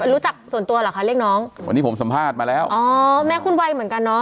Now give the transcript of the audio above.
รู้จักส่วนตัวเหรอคะเรียกน้องวันนี้ผมสัมภาษณ์มาแล้วอ๋อแม่คุณวัยเหมือนกันเนอะ